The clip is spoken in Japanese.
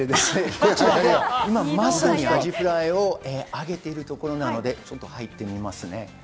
こちらで今まさにアジフライを揚げているところなので入ってみますね。